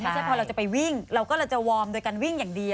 พอเราจะไปวิ่งเราก็เลยจะวอร์มโดยการวิ่งอย่างเดียว